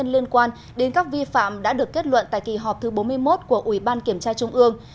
liên quan đến các vi phạm đã được kết luận tại kỳ họp thứ bốn mươi một của ủy ban kiểm tra trung ương